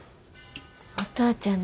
お父ちゃん